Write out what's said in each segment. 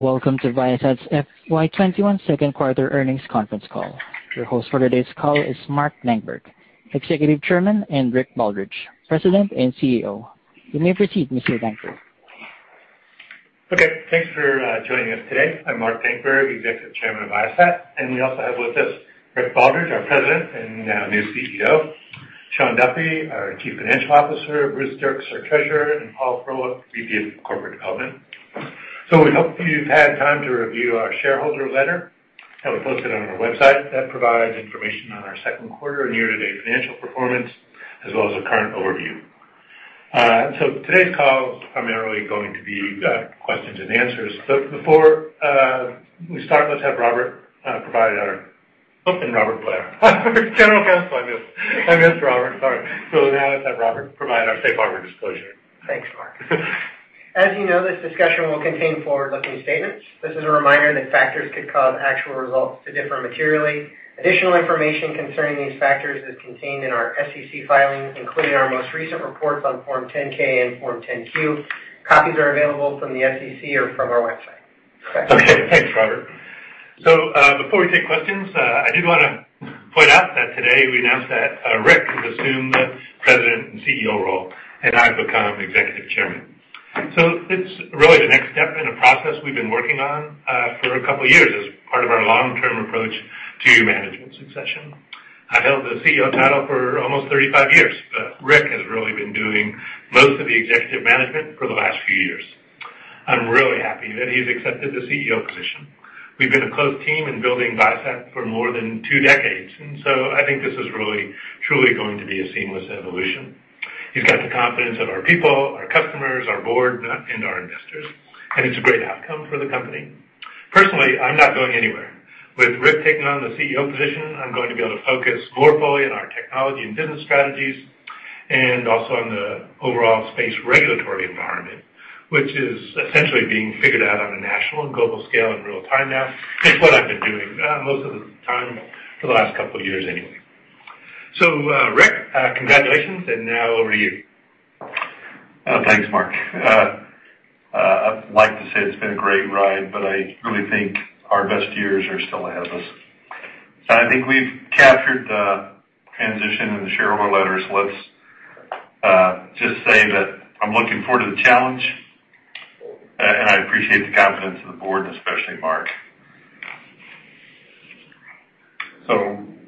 Welcome to Viasat's FY21 second quarter earnings conference call. Your host for today's call is Mark Dankberg, Executive Chairman, and Rick Baldridge, President and CEO. You may proceed, Mr. Dankberg. Okay. Thanks for joining us today. I'm Mark Dankberg, Executive Chairman of Viasat, and we also have with us Rick Baldridge, our President and now new CEO. Shawn Duffy, our Chief Financial Officer, Bruce Dirks, our Treasurer, and Paul Froelich, VP of Corporate Development. We hope you've had time to review our shareholder letter that we posted on our website. That provides information on our second quarter and year-to-date financial performance, as well as a current overview. Today's call is primarily going to be questions and answers. Before we start, let's have Robert provide our Oops, not Robert. General Counsel, I missed. I missed Robert, sorry. Now let's have Robert provide our safe harbor disclosure. Thanks, Mark. As you know, this discussion will contain forward-looking statements. This is a reminder that factors could cause actual results to differ materially. Additional information concerning these factors is contained in our SEC filings, including our most recent reports on Form 10-K and Form 10-Q. Copies are available from the SEC or from our website. Thanks. Okay, thanks, Robert. Before we take questions, I did want to point out that today we announced that Rick has assumed the President and CEO role, and I've become Executive Chairman. It's really the next step in a process we've been working on for a couple of years as part of our long-term approach to management succession. I've held the CEO title for almost 35 years, but Rick has really been doing most of the executive management for the last few years. I'm really happy that he's accepted the CEO position. We've been a close team in building Viasat for more than two decades, and so I think this is really, truly going to be a seamless evolution. He's got the confidence of our people, our customers, our board, and our investors, and it's a great outcome for the company. Personally, I'm not going anywhere. With Rick taking on the CEO position, I'm going to be able to focus more fully on our technology and business strategies and also on the overall space regulatory environment, which is essentially being figured out on a national and global scale in real time now. It's what I've been doing most of the time for the last couple of years anyway. Rick, congratulations. Now over to you. Thanks, Mark. I'd like to say it's been a great ride, but I really think our best years are still ahead of us. I think we've captured the transition in the shareholder letters. Let's just say that I'm looking forward to the challenge, and I appreciate the confidence of the board, and especially Mark.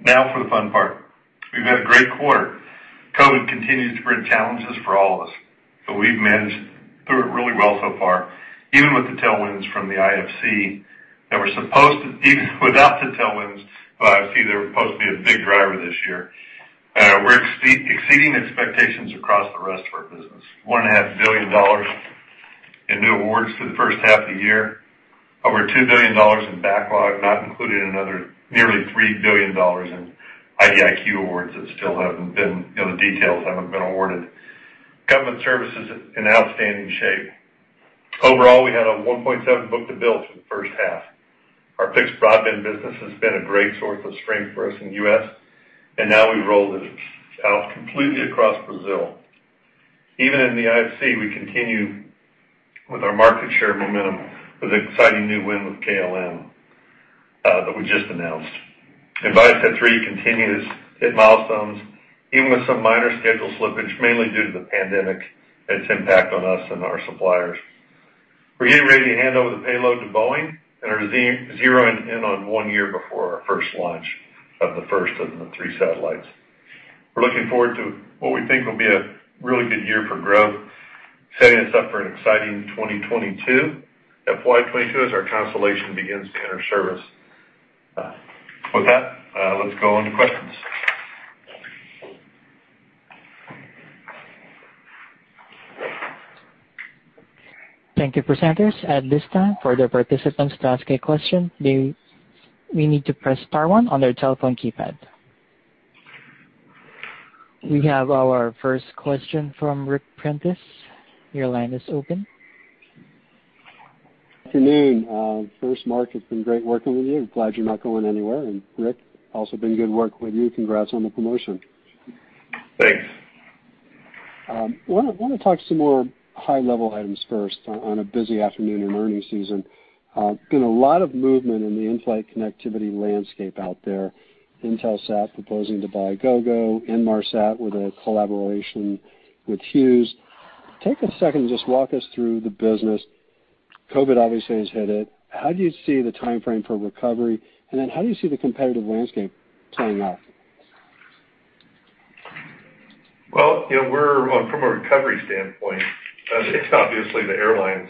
Now for the fun part. We've had a great quarter. COVID continues to create challenges for all of us, but we've managed through it really well so far. Even without the tailwinds from IFC, they were supposed to be a big driver this year. We're exceeding expectations across the rest of our business. $1.5 billion in new awards for the first half of the year, over $2 billion in backlog, not including another nearly $3 billion in IDIQ awards that still haven't been, the details haven't been awarded. Government services in outstanding shape. Overall, we had a 1.7 book-to-bill for the first half. Our [inaudible] business has been a great source of strength for us in the U.S. Now we've rolled it out completely across Brazil. Even in the IFC, we continue with our market share momentum with an exciting new win with KLM that we just announced. ViaSat-3 continues to hit milestones, even with some minor schedule slippage, mainly due to the pandemic and its impact on us and our suppliers. We're getting ready to hand over the payload to Boeing and are zeroing in on one year before our first launch of the first of the three satellites. We're looking forward to what we think will be a really good year for growth, setting us up for an exciting 2022. FY 2022, as our constellation begins to enter service. With that let's go on to questions. Thank you, presenters. At this time, for the participants to ask a question, they will need to press star one on their telephone keypad. We have our first question from Ric Prentiss. Your line is open. Afternoon. First, Mark, it's been great working with you. Glad you're not going anywhere. Rick, also been good working with you. Congrats on the promotion. Thanks. I want to talk some more high-level items first on a busy afternoon in earnings season. Been a lot of movement in the in-flight connectivity landscape out there. Intelsat proposing to buy Gogo, Inmarsat with a collaboration with Hughes. Take a second and just walk us through the business. COVID obviously has hit it. How do you see the timeframe for recovery, and then how do you see the competitive landscape playing out? Well, from a recovery standpoint, obviously the airlines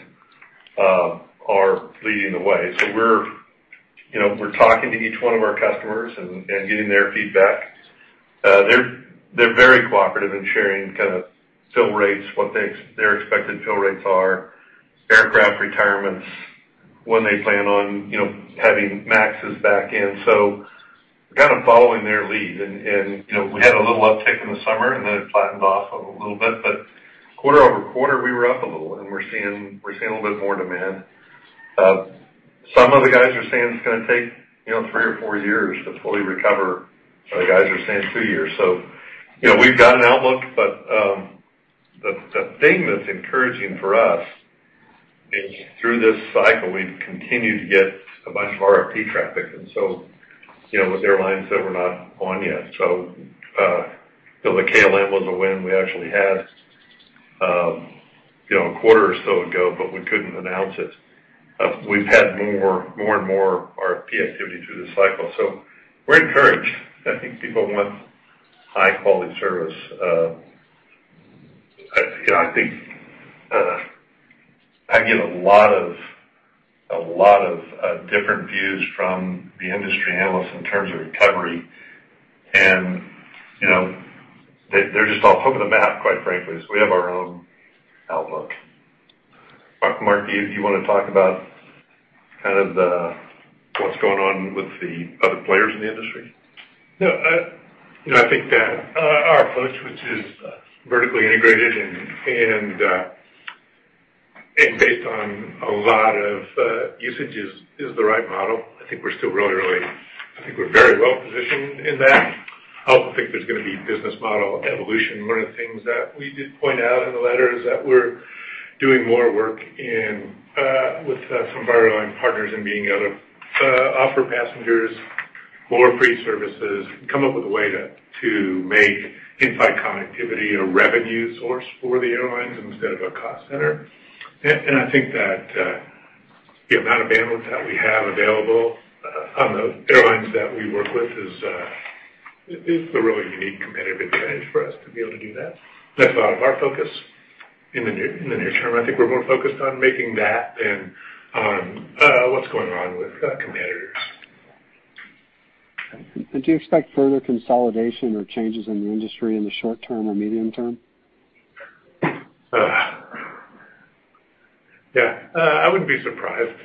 are leading the way. We're talking to each one of our customers and getting their feedback. They're very cooperative in sharing kind of fill rates, what their expected fill rates are, aircraft retirements, when they plan on having MAXes back in. Kind of following their lead. We had a little uptick in the summer, and then it flattened off a little bit, but quarter-over-quarter, we were up a little, and we're seeing a little bit more demand. Some of the guys are saying it's going to take three or four years to fully recover. Other guys are saying two years. We've got an outlook. The thing that's encouraging for us is through this cycle, we've continued to get a bunch of RFP traffic, and so with airlines that were not on yet. The KLM was a win we actually had a quarter or so ago, but we couldn't announce it. We've had more and more RFP activity through this cycle. We're encouraged. I think people want high-quality service. I get a lot of different views from the industry analysts in terms of recovery, and they're just all hoping to map, quite frankly. We have our own outlook. Mark, do you want to talk about what's going on with the other players in the industry? No. I think that our approach, which is vertically integrated and based on a lot of usage, is the right model. I think we're very well positioned in that. I also think there's going to be business model evolution. One of the things that we did point out in the letter is that we're doing more work with some of our airline partners in being able to offer passengers more free services, come up with a way to make in-flight connectivity a revenue source for the airlines instead of a cost center. I think that the amount of bandwidth that we have available on the airlines that we work with is a really unique competitive advantage for us to be able to do that. That's a lot of our focus in the near term. I think we're more focused on making that than on what's going on with competitors. Do you expect further consolidation or changes in the industry in the short term or medium term? Yeah. I wouldn't be surprised.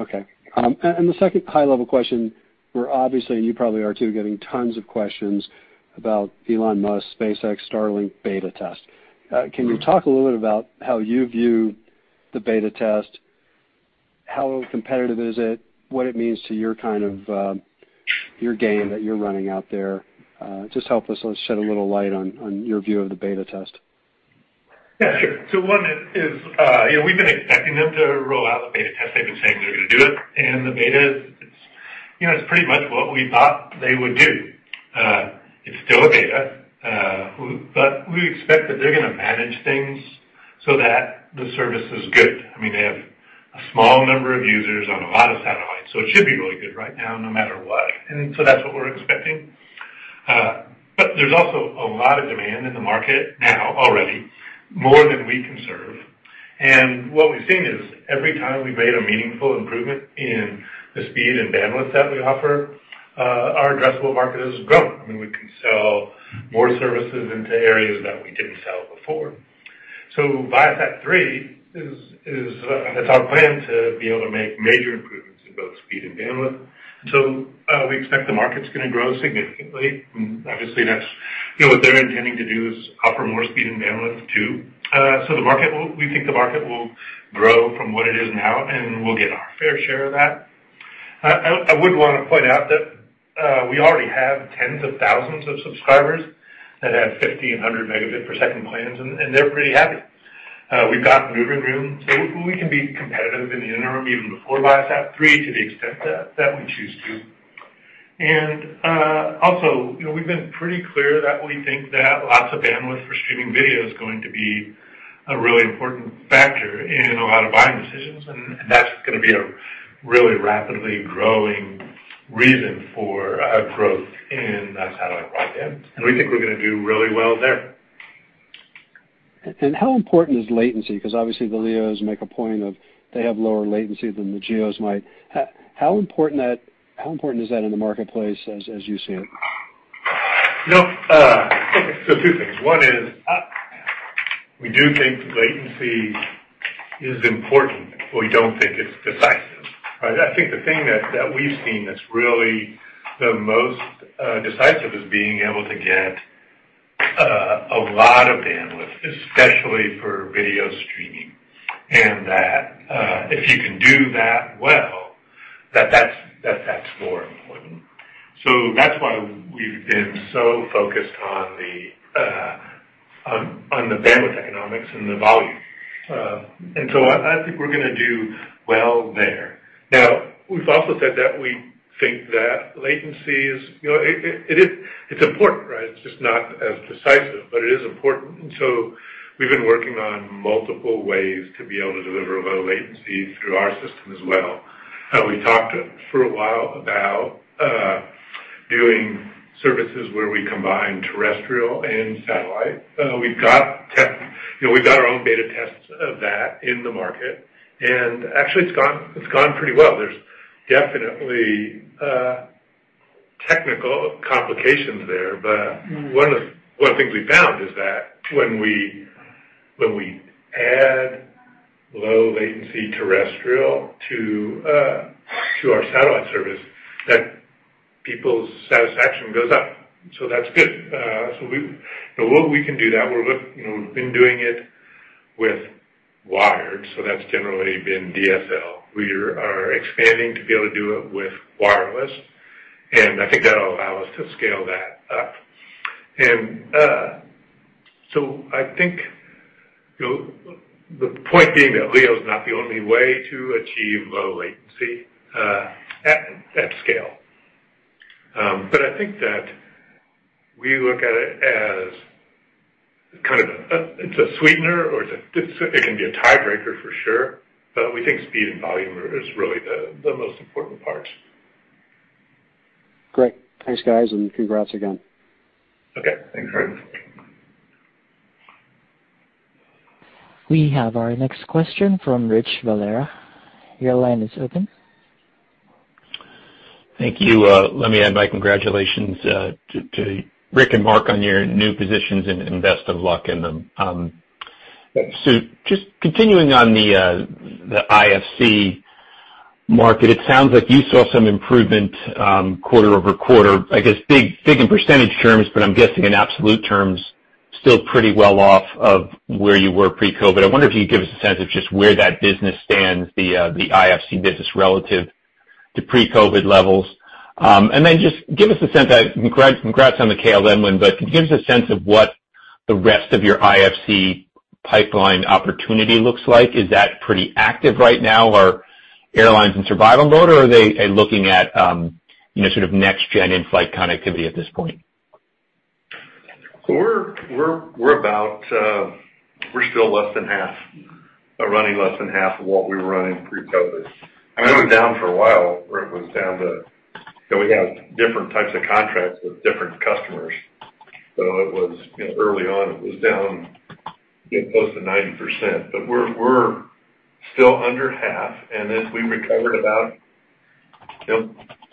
Okay. The second high-level question, we're obviously, and you probably are too, getting tons of questions about Elon Musk's SpaceX Starlink beta test. Can you talk a little bit about how you view the beta test? How competitive is it? What it means to your game that you're running out there? Just help us shed a little light on your view of the beta test. Yeah, sure. One is we've been expecting them to roll out the beta test. They've been saying they're going to do it, the beta is pretty much what we thought they would do. It's still a beta, we expect that they're going to manage things so that the service is good. They have a small number of users on a lot of satellites, it should be really good right now, no matter what. That's what we're expecting. There's also a lot of demand in the market now already, more than we can serve. What we've seen is every time we've made a meaningful improvement in the speed and bandwidth that we offer, our addressable market has grown, and we can sell more services into areas that we didn't sell before. Viasat-3, it's our plan to be able to make major improvements in both speed and bandwidth. We expect the market's going to grow significantly. Obviously, what they're intending to do is offer more speed and bandwidth, too. We think the market will grow from what it is now, and we'll get our fair share of that. I would want to point out that we already have tens of thousands of subscribers that have 50 and 100 megabit per second plans, and they're pretty happy. We've got maneuvering room, so we can be competitive in the interim, even before Viasat-3, to the extent that we choose to. We've been pretty clear that we think that lots of bandwidth for streaming video is going to be a really important factor in a lot of buying decisions, and that's going to be a really rapidly growing reason for our growth in satellite broadband. We think we're going to do really well there. How important is latency? Because obviously the LEOs make a point of they have lower latency than the GEOs might. How important is that in the marketplace as you see it? Two things. One is we do think latency is important, we don't think it's decisive. I think the thing that we've seen that's really the most decisive is being able to get a lot of bandwidth, especially for video streaming, and that if you can do that well, that that's more important. That's why we've been so focused on the bandwidth economics and the volume. I think we're going to do well there. Now, we've also said that we think that latency is important, right? It's just not as decisive, but it is important, we've been working on multiple ways to be able to deliver low latency through our system as well. We talked for a while about doing services where we combine terrestrial and satellite. We've got our own beta tests of that in the market, actually it's gone pretty well. There's definitely technical complications there. One of the things we found is that when we add low latency terrestrial to our satellite service, that people's satisfaction goes up. That's good. We can do that. We've been doing it. With wired, so that's generally been DSL. We are expanding to be able to do it with wireless, and I think that'll allow us to scale that up. I think the point being that LEO is not the only way to achieve low latency at scale. I think that we look at it as kind of a sweetener, or it can be a tiebreaker for sure, but we think speed and volume is really the most important part. Great. Thanks, guys, and congrats again. Okay, thanks very much. We have our next question from Rich Valera. Your line is open. Thank you. Let me add my congratulations to Rick and Mark on your new positions, and best of luck in them. Just continuing on the IFC market, it sounds like you saw some improvement quarter-over-quarter, I guess big in percentage terms, but I'm guessing in absolute terms, still pretty well off of where you were pre-COVID. I wonder if you could give us a sense of just where that business stands, the IFC business, relative to pre-COVID levels. Just give us a sense. Congrats on the KLM win, but can you give us a sense of what the rest of your IFC pipeline opportunity looks like? Is that pretty active right now? Are airlines in survival mode, or are they looking at sort of next-gen in-flight connectivity at this point? We're still running less than half of what we were running pre-COVID. It was down for a while. We have different types of contracts with different customers. Early on, it was down close to 90%, but we're still under half. As we recovered about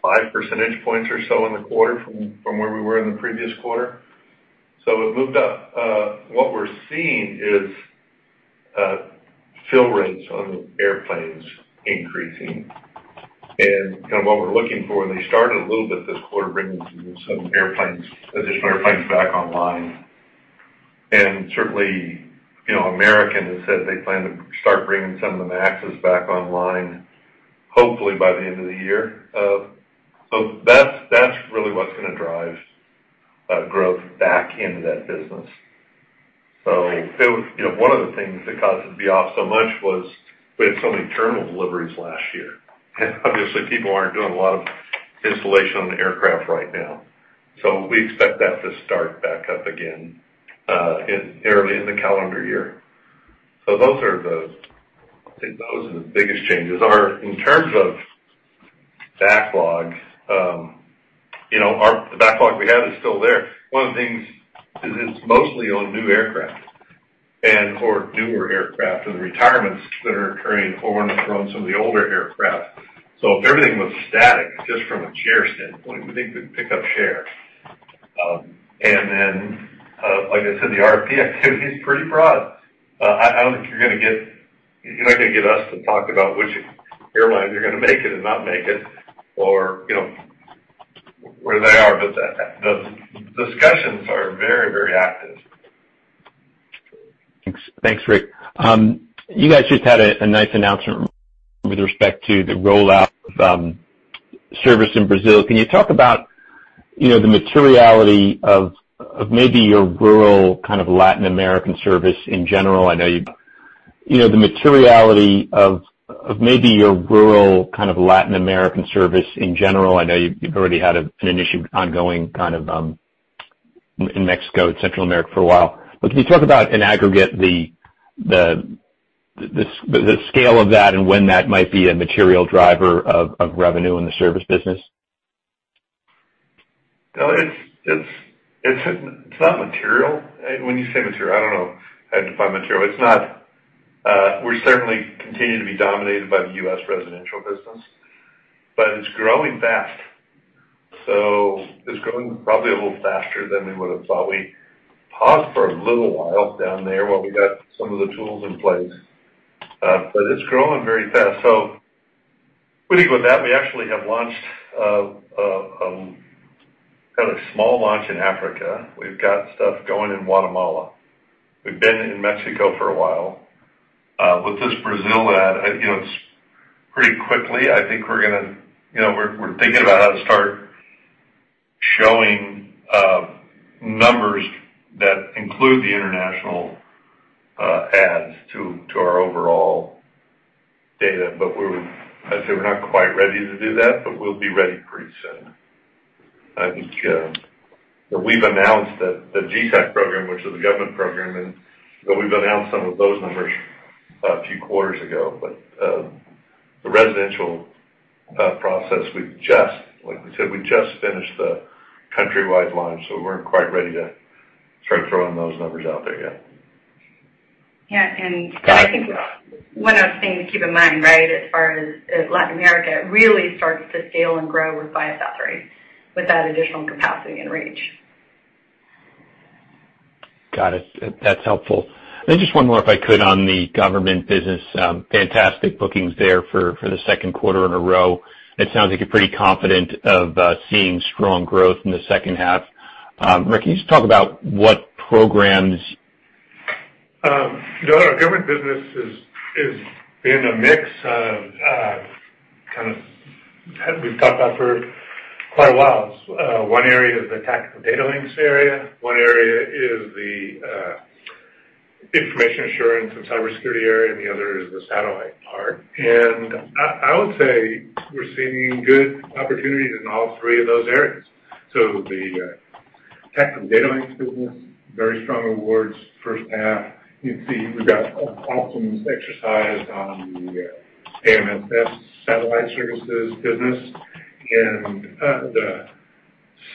five percentage points or so in the quarter from where we were in the previous quarter. It moved up. What we're seeing is fill rates on airplanes increasing. Kind of what we're looking for, they started a little bit this quarter, bringing some additional airplanes back online. Certainly, American has said they plan to start bringing some of the MAXes back online, hopefully by the end of the year. That's really what's going to drive growth back into that business. One of the things that caused it to be off so much was we had so many terminal deliveries last year. Obviously, people aren't doing a lot of installation on the aircraft right now. We expect that to start back up again early in the calendar year. I think those are the biggest changes. In terms of backlog, the backlog we have is still there. One of the things is it's mostly on new aircraft and for newer aircraft, and the retirements that are occurring are from some of the older aircraft. If everything was static, just from a share standpoint, we think we'd pick up share. Like I said, the RFP activity is pretty broad. I don't think you're going to get us to talk about which airlines are going to make it and not make it or where they are. The discussions are very, very active. Thanks, Rick. You guys just had a nice announcement with respect to the rollout of service in Brazil. Can you talk about the materiality of maybe your rural kind of Latin American service in general? I know you have materiality of maybe you'll grow kind of Latin America service in general. I know you've already had an issue ongoing kind of in Mexico and Central America for a while. Can you talk about, in aggregate, the scale of that and when that might be a material driver of revenue in the service business? It's not material. When you say material, I don't know how you define material. We certainly continue to be dominated by the U.S. residential business, but it's growing fast. It's growing probably a little faster than we would have thought. We paused for a little while down there while we got some of the tools in place, but it's growing very fast. Pretty good with that. We actually have had a small launch in Africa. We've got stuff going in Guatemala. We've been in Mexico for a while. With this Brazil add, it's pretty quickly, I think we're thinking about how to start showing numbers that include the international adds to our overall data. I'd say we're not quite ready to do that, but we'll be ready pretty soon. I think we've announced that the GESAC program, which is a government program, and we've announced some of those numbers a few quarters ago. The residential process, like we said, we just finished the countrywide launch, so we weren't quite ready to start throwing those numbers out there yet. Yeah. I think one other thing to keep in mind, right, as far as Latin America, it really starts to scale and grow with ViaSat-3, with that additional capacity and reach. Got it. That's helpful. Just one more, if I could, on the government business. Fantastic bookings there for the second quarter in a row. It sounds like you're pretty confident of seeing strong growth in the second half. Rick, can you just talk about what programs? No, our government business has been a mix of kind of, we've talked about for quite a while. One area is the tactical data links area, one area is the information assurance and cybersecurity area, and the other is the satellite part. I would say we're seeing good opportunities in all three of those areas. The tactical data links business, very strong awards first half. You can see we've got options exercised on the [AMLS satellite services business. The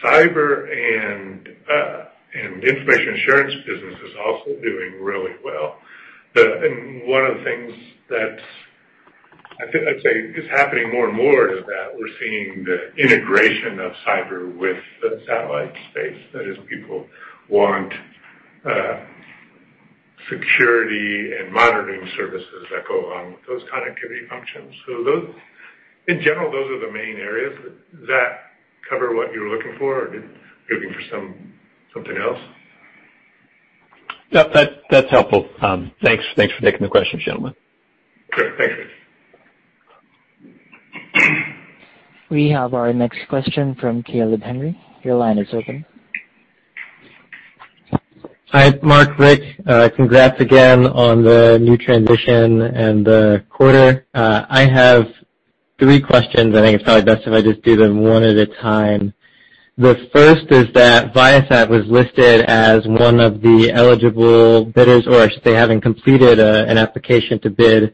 cyber and information assurance business is also doing really well. One of the things that I'd say is happening more and more is that we're seeing the integration of cyber with the satellite space. That is, people want security and monitoring services that go along with those connectivity functions. In general, those are the main areas. Does that cover what you were looking for, or did you looking for something else? That's helpful. Thanks for taking the questions, gentlemen. Sure. Thank you. We have our next question from Caleb Henry. Your line is open. Hi, Mark, Rick. Congrats again on the new transition and the quarter. I have three questions, and I think it's probably best if I just do them one at a time. The first is that Viasat was listed as one of the eligible bidders, or I should say, having completed an application to bid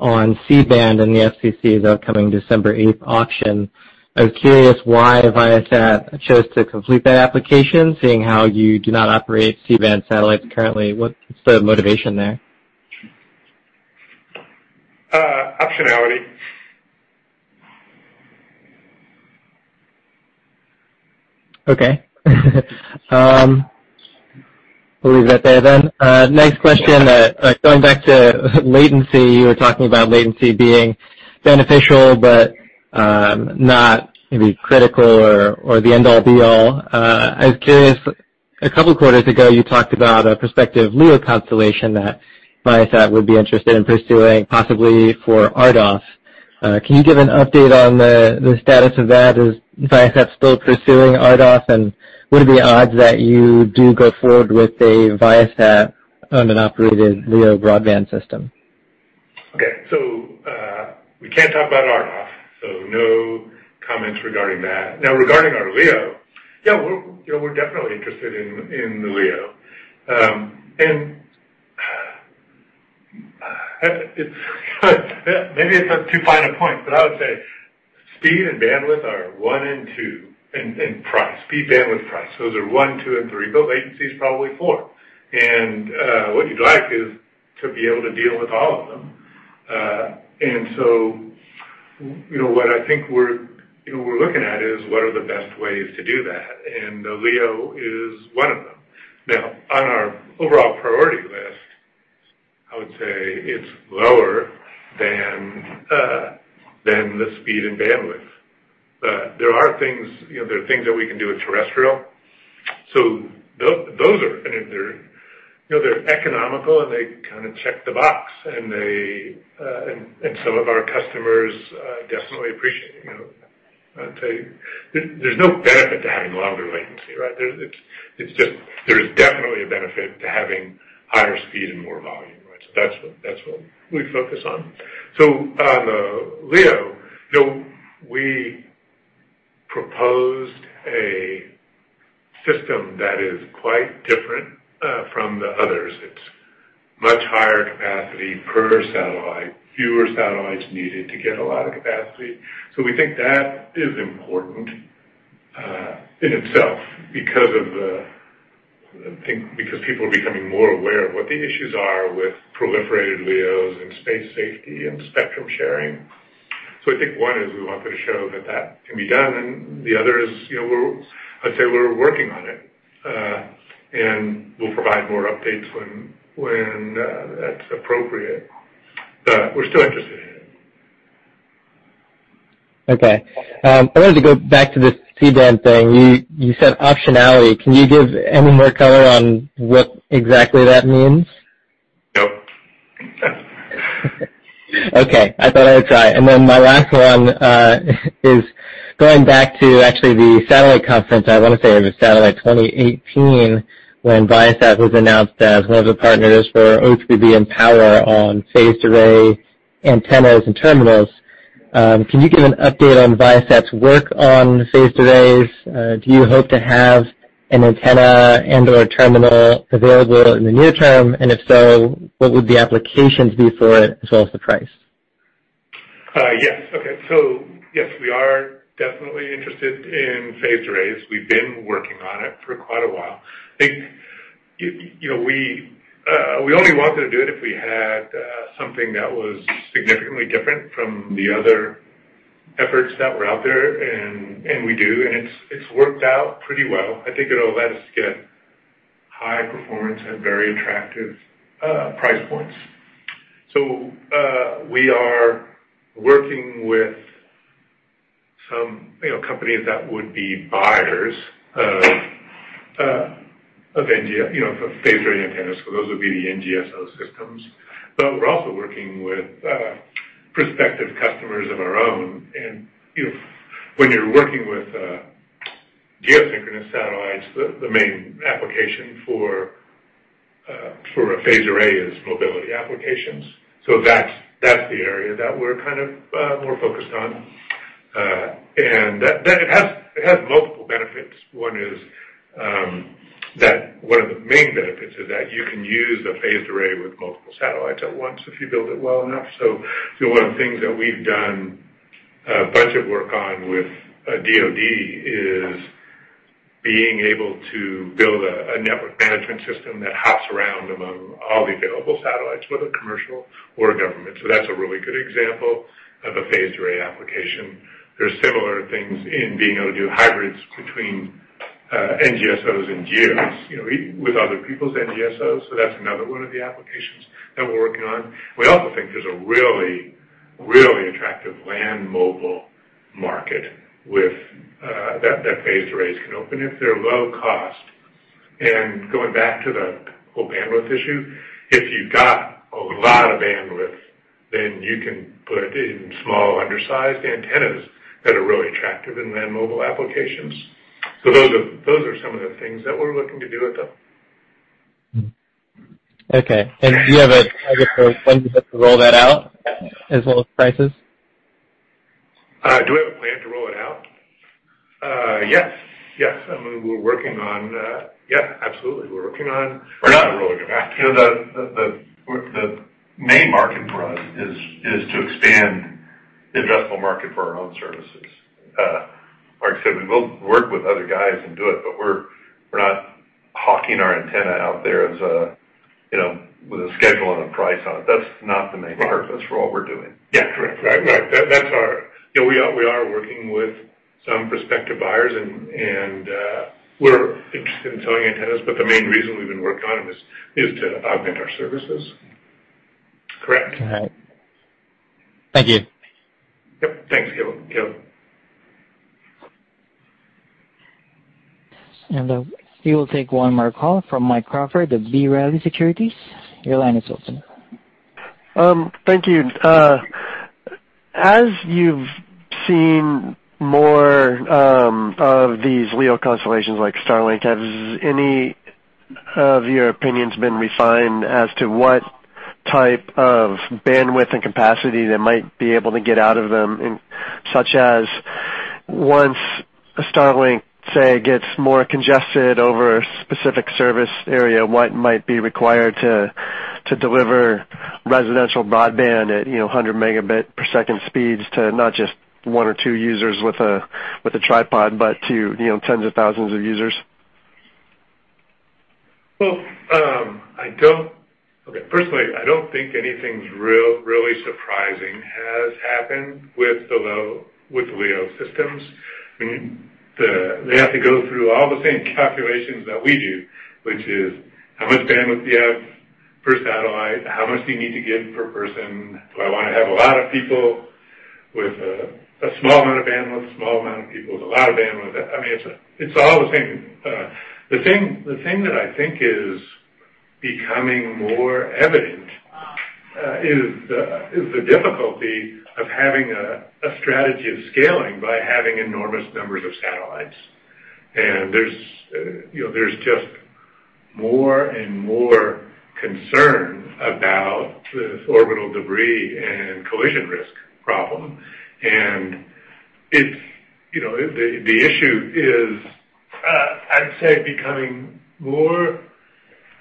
on C-band in the FCC's upcoming December 8th auction. I was curious why Viasat chose to complete that application, seeing how you do not operate C-band satellites currently. What's the motivation there? Optionality. Okay. We'll leave it there. Next question, going back to latency, you were talking about latency being beneficial, not maybe critical or the end-all be-all. I was curious, a couple of quarters ago, you talked about a prospective LEO constellation that Viasat would be interested in pursuing, possibly for RDOF. Can you give an update on the status of that? Is Viasat still pursuing RDOF, and what are the odds that you do go forward with a Viasat-owned and operated LEO broadband system? Okay. We can't talk about RDOF, so no comments regarding that. Regarding our LEO, yeah, we're definitely interested in the LEO. Maybe it's too fine a point, but I would say speed and bandwidth are one and two, and price. Speed, bandwidth, price. Those are one, two, and three. Latency is probably four. What you'd like is to be able to deal with all of them. What I think we're looking at is what are the best ways to do that. The LEO is one of them. On our overall priority list, I would say it's lower than the speed and bandwidth. There are things that we can do with terrestrial. Those are economical, and they kind of check the box, and some of our customers definitely appreciate it. There's no benefit to having longer latency, right? There's definitely a benefit to having higher speed and more volume. That's what we focus on. On the LEO, we proposed a system that is quite different from the others. It's much higher capacity per satellite, fewer satellites needed to get a lot of capacity. We think that is important, in itself, because people are becoming more aware of what the issues are with proliferated LEOs and space safety and spectrum sharing. I think one is we want to show that that can be done, and the other is, I'd say we're working on it. We'll provide more updates when that's appropriate. We're still interested in it. Okay. I wanted to go back to this C-band thing. You said optionality. Can you give any more color on what exactly that means? No. Okay. I thought I'd try. My last one is going back to actually the satellite conference, I want to say it was SATELLITE 2018, when Viasat was announced as one of the partners for O3b mPOWER on phased array antennas and terminals. Can you give an update on Viasat's work on phased arrays? Do you hope to have an antenna and/or terminal available in the near term? If so, what would the applications be for it, as well as the price? Yes. Okay. Yes, we are definitely interested in phased arrays. We've been working on it for quite a while. I think, we only wanted to do it if we had something that was significantly different from the other efforts that were out there, and we do, and it's worked out pretty well. I think it'll let us get high performance at very attractive price points. We are working with some companies that would be buyers of phased array antennas. Those would be the NGSO systems. We're also working with prospective customers of our own, and when you're working with geosynchronous satellites, the main application for a phased array is mobility applications. That's the area that we're kind of more focused on. It has multiple benefits. One of the main benefits is that you can use a phased array with multiple satellites at once if you build it well enough. One of the things that we've done a bunch of work on with DoD is being able to build a network management system that hops around among all the available satellites, whether commercial or government. That's a really good example of a phased array application. There are similar things in being able to do hybrids between NGSOs and GEOs, with other people's NGSOs. That's another one of the applications that we're working on. We also think there's a really, really attractive land mobile market that phased arrays can open if they're low cost. Going back to the whole bandwidth issue, if you've got a lot of bandwidth, then you can put in small undersized antennas that are really attractive in land mobile applications. Those are some of the things that we're looking to do with them. Okay. Do you have a target for when you get to roll that out, as well as prices? Do we have a plan to roll it out? Yes. We're working on that. Yeah, absolutely. We're not rolling it back. The main market for us is to expand the addressable market for our own services. Like I said, we will work with other guys and do it, but we're not hawking our antenna out there with a schedule and a price on it. That's not the main purpose for all we're doing. Correct. Right. We are working with some prospective buyers, and we're interested in selling antennas, but the main reason we've been working on them is to augment our services. Correct. All right. Thank you. Yep. Thanks, Caleb. We will take one more call from Mike Crawford at B. Riley Securities. Your line is open. Thank you. As you've seen more of these LEO constellations like Starlink, has any of your opinions been refined as to what type of bandwidth and capacity they might be able to get out of them? Such as, once Starlink, say, gets more congested over a specific service area, what might be required to deliver residential broadband at 100 megabit per second speeds to not just one or two users with a tripod, but to tens of thousands of users? Well, personally, I don't think anything really surprising has happened with the LEO systems. They have to go through all the same calculations that we do, which is how much bandwidth do you have per satellite? How much do you need to give per person? Do I want to have a lot of people with a small amount of bandwidth, a small amount of people with a lot of bandwidth? It's all the same. The thing that I think is becoming more evident is the difficulty of having a strategy of scaling by having enormous numbers of satellites. There's just more and more concern about this orbital debris and collision risk problem. The issue is, I'd say, becoming more,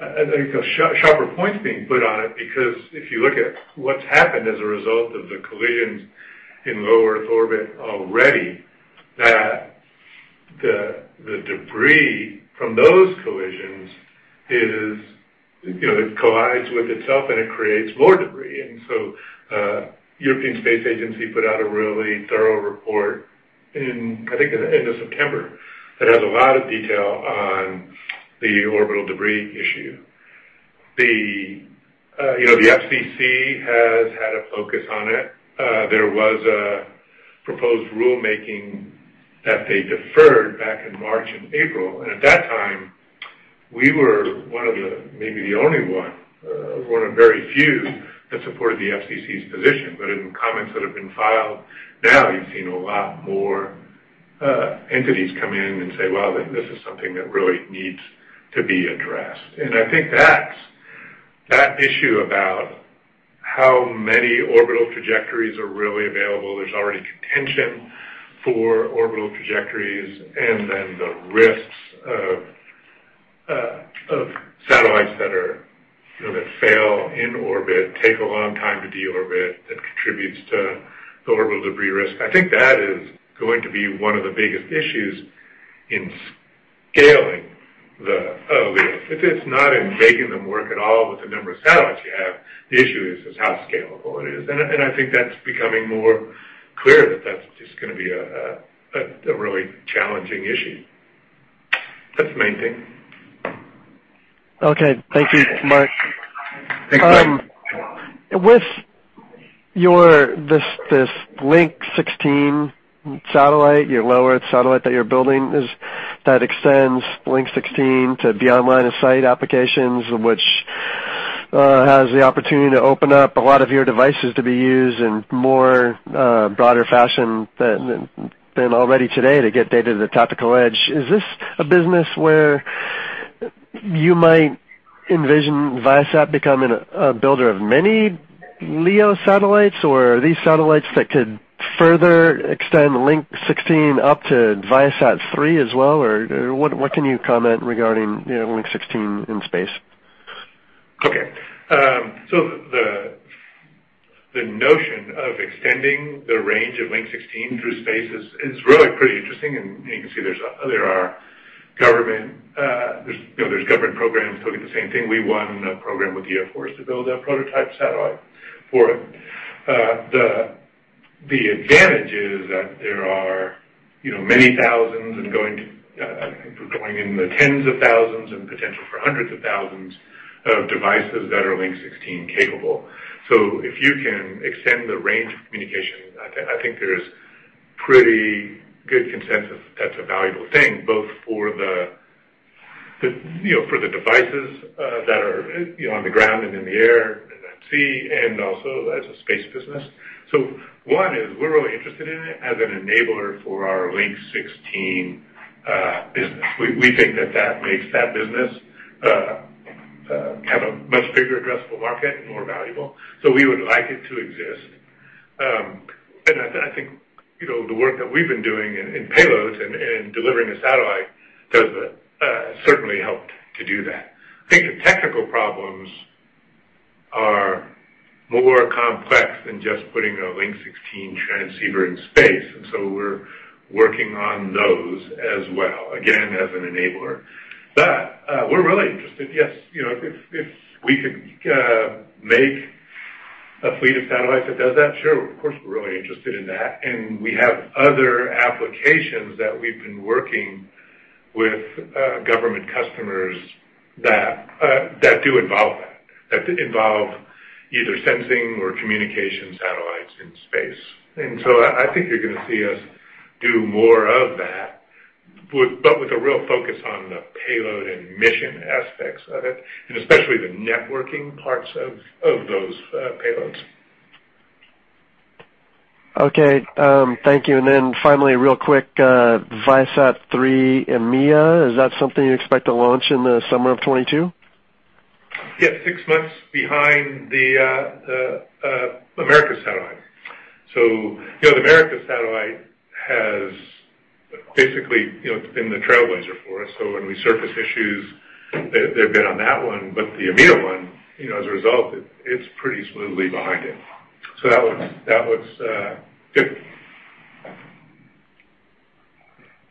I think, sharper point's being put on it, because if you look at what's happened as a result of the collisions in low Earth orbit already, the debris from those collisions collides with itself, and it creates more debris. European Space Agency put out a really thorough report in, I think, the end of September, that has a lot of detail on the orbital debris issue. The FCC has had a focus on it. There was a proposed rulemaking that they deferred back in March and April. At that time, we were one of the, maybe the only one of very few that supported the FCC's position. In comments that have been filed now, you've seen a lot more entities come in and say, "Wow, this is something that really needs to be addressed." I think that issue about how many orbital trajectories are really available, there's already contention for orbital trajectories, and then the risks of satellites that fail in orbit, take a long time to de-orbit, that contributes to the orbital debris risk. I think that is going to be one of the biggest issues in scaling the LEO. If it's not in making them work at all with the number of satellites you have, the issue is how scalable it is. I think that's becoming more clear that that's just going to be a really challenging issue. That's the main thing. Okay. Thank you, Mark. Thanks, Mike. With this Link 16 satellite, your low Earth satellite that you're building, that extends Link 16 to beyond line of sight applications, which has the opportunity to open up a lot of your devices to be used in more broader fashion than already today to get data to the tactical edge. Is this a business where you might envision Viasat becoming a builder of many LEO satellites, or are these satellites that could further extend Link 16 up to ViaSat-3 as well? What can you comment regarding Link 16 in space? Okay. The notion of extending the range of Link 16 through space is really pretty interesting, and you can see there's government programs looking at the same thing. We won a program with the Air Force to build a prototype satellite for it. The advantage is that there are many thousands, and going into tens of thousands, and potential for hundreds of thousands of devices that are Link 16 capable. If you can extend the range of communication, I think there's pretty good consensus that's a valuable thing, both for the devices that are on the ground and in the air and at sea, and also as a space business. One is we're really interested in it as an enabler for our Link 16 business. We think that makes that business have a much bigger addressable market and more valuable. We would like it to exist. I think the work that we've been doing in payloads and in delivering a satellite has certainly helped to do that. I think the technical problems are more complex than just putting a Link 16 transceiver in space, and so we're working on those as well, again, as an enabler. We're really interested, yes. If we could make a fleet of satellites that does that, sure, of course, we're really interested in that, and we have other applications that we've been working with government customers that do involve that involve either sensing or communication satellites in space. I think you're going to see us do more of that, but with a real focus on the payload and mission aspects of it, and especially the networking parts of those payloads. Okay. Thank you. Finally, real quick, Viasat-3 EMEA, is that something you expect to launch in the summer of 2022? Yeah, six months behind the Americas satellite. The Americas satellite has basically been the trailblazer for us. When we surface issues, they've been on that one, but the EMEA one, as a result, it's pretty smoothly behind it. That looks good.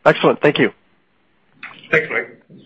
Excellent. Thank you. Thanks, Mike.